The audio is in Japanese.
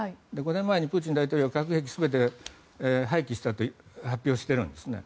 ５年前にプーチン大統領化学兵器を全て廃棄したと発表しているんですね。